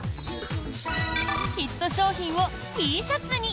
ヒット商品をＴシャツに。